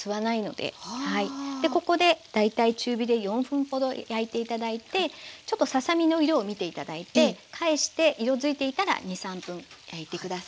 でここで大体中火で４分ほど焼いて頂いてちょっとささ身の色を見て頂いて返して色づいていたら２３分焼いて下さい。